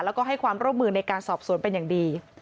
แล้วก็ให้ความร่วมมือในการสอบสวนเป็นอย่างดี